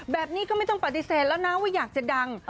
แบบนี้ก็ไม่ต้องปฏิเสธแล้วนะว่าอยากจะดัง